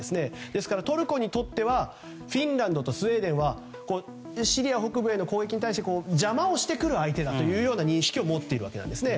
ですからトルコにとってはフィンランドとスウェーデンはシリア北部の攻撃に対して邪魔をする相手だという認識を持っているんですね。